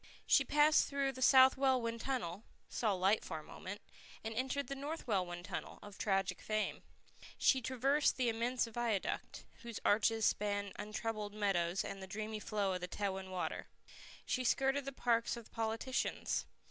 She passed through the South Welwyn Tunnel, saw light for a moment, and entered the North Welwyn Tunnel, of tragic fame. She traversed the immense viaduct, whose arches span untroubled meadows and the dreamy flow of Tewin Water. She skirted the parks of politicians.